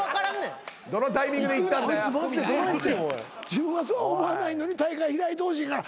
自分はそうは思わないのに大会開いてほしいから。